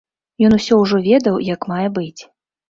Ён усё ўжо ведаў як мае быць.